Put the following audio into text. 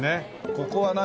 ここは何？